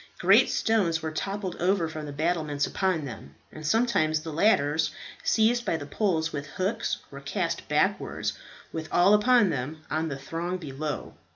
Great stones were toppled over from the battlements upon them; and sometimes the ladders, seized by the poles with hooks, were cast backwards, with all upon them, on the throng below.